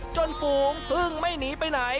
ฝูงพึ่งไม่หนีไปไหน